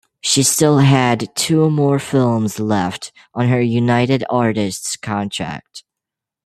She still had two more films left on her United Artists contract.